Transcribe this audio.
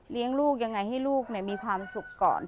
ลูกยังไงให้ลูกมีความสุขก่อน